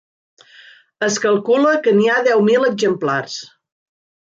Es calcula que n'hi ha deu mil exemplars.